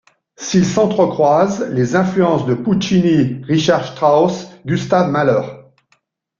S'y entrecroisent les influences de Puccini, Richard Strauss, Gustav Mahler.